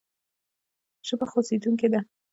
ژبه خوځېدونکې ده.